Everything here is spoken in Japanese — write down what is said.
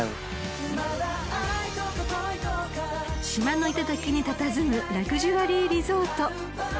［島の頂にたたずむラグジュアリーリゾート］